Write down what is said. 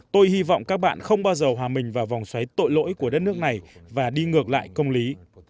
tôi hy vọng các bạn không bao giờ hòa mình vào vòng xoáy tội lỗi của đất nước này và đi ngược lại công lý